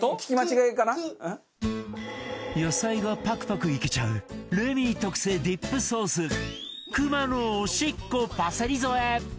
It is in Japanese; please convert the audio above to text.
野菜がパクパクいけちゃうレミ特製ディップソースクマのおしっこパセリ添え